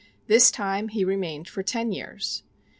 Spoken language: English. This time he remained for ten years.